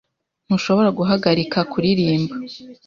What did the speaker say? Ntushobora guhagarika kuririmba?